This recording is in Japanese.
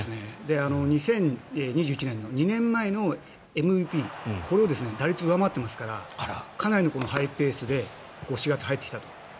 ２０２１年、２年前のＭＶＰこれを打率、上回ってますからかなりのハイペースで４月に入ってきたと。